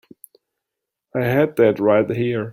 I had that right here.